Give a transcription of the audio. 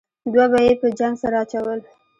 دوه به یې په جنګ سره اچول.